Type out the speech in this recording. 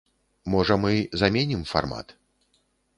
Можа, мы заменім фармат.